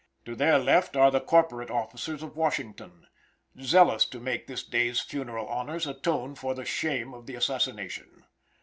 To their left are the corporate officers of Washington, zealous to make this day's funeral honors atone for the shame of the assassination.